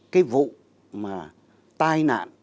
cái vụ mà tai nạn